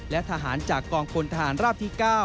และทหารจากกองพลทหารราบที่๙